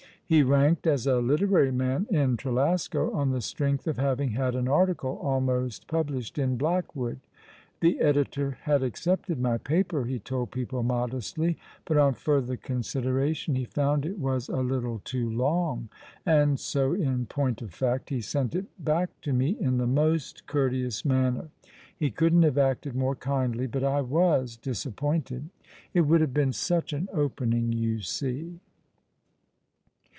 He ranked as a literary man in Trelasco, on the strength of having had an article almost published in Blackwood. "The editor had accepted my paper," he told people modestly; "but on further considera tion he found it was a little too long, and so, in point of fact, he sent it, back to me in the most courteous manner. He couldn't have acted more kindly — but I was disaiDpointed. It would have been such an opening, you see."